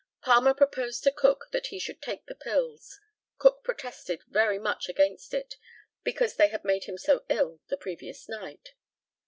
Palmer proposed to Cook that he should take the pills. Cook protested very much against it, because they had made him so ill the previous night.